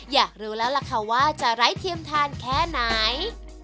อยากรู้แล้วล่ะค่ะว่าจะไร้เทียมทานแค่ไหน